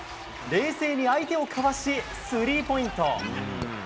冷静に相手をかわし、スリーポイント。